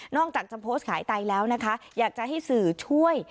จากจะโพสต์ขายไตแล้วนะคะอยากจะให้สื่อช่วย